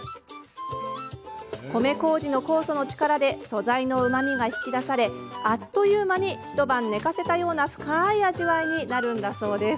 米こうじの酵素の力で素材のうまみが引き出されあっという間に一晩寝かせたような深い味わいになるんだそうです。